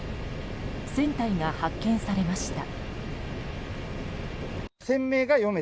船体が発見されました。